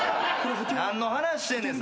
何の話してんねん